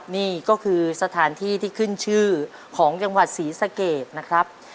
นี่ก็คือสถานที่ที่ขึ้นชื่อของจังหวัดศรีสะเกดนะครับ